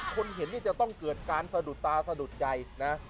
คนเห็นนี่จะต้องเกิดการสะดุดตาสะดุดใจนะ